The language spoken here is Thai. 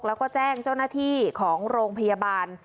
แล้วก็แจ้งเจ้าหน้าที่ของโรงพยาบาล